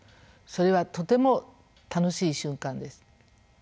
それはとても楽しい瞬間です。